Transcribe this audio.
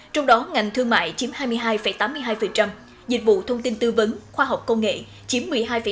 trong đó ngành thương mại chiếm hai mươi hai tám mươi hai dịch vụ thông tin tư vấn khoa học công nghệ chiếm một mươi hai năm